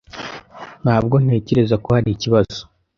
Ntabwo ntekereza ko hari ikibazo.